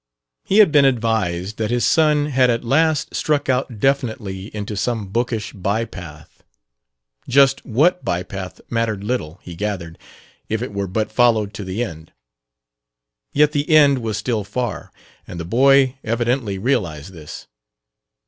He had been advised that his son had at last struck out definitely into some bookish bypath just what bypath mattered little, he gathered, if it were but followed to the end. Yet the end was still far and the boy evidently realized this.